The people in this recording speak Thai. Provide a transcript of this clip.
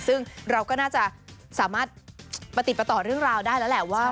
ซึ่งเราก็น่าจะสามารถประติดประต่อเรื่องราวได้แล้วแหละว่า